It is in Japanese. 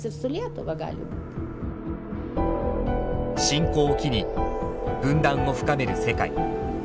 侵攻を機に分断を深める世界。